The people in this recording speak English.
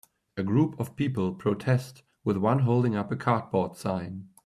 A group of people protest with one holding up a cardboard sign.